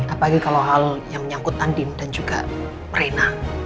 apalagi kalau hal yang menyangkut andim dan juga rena